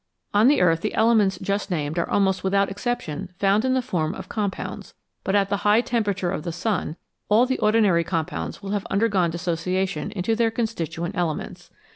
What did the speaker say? On the earth the elements just named are almost without exception found in the form of com pounds, but at the high temperature of the sun all ordinary compounds will have undergone dissociation into their constituent elements.